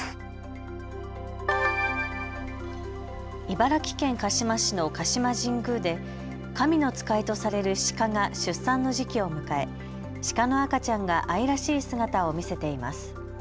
茨城県鹿嶋市の鹿島神宮で神の使いとされるシカが出産の時期を迎えシカの赤ちゃんが愛らしい姿を見せています。